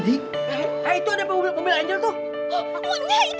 eh itu ada mobil mobil anjel tuh